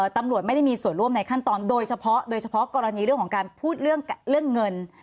ตำรวจไม่ได้มีส่วนร่วมในขั้นตอนโดยเฉพาะโดยเฉพาะกรณีเรื่องของการพูดเรื่องเงิน